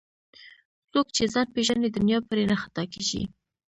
څوک چې ځان پیژني دنیا پرې نه خطا کېږي